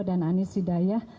dan anies sidayah